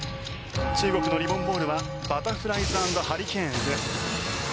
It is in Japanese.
中国のリボン・ボールは「バタフライ・アンド・ハリケーンズ」。